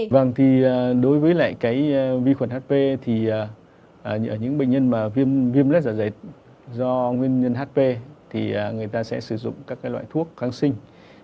vâng thì đối với lại cái vi khuẩn hp thì những bệnh nhân mà viêm lết dạ dày do nguyên nhân hp thì người ta sẽ sử dụng các loại thuốc kháng sinh